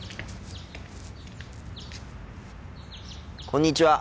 こんにちは。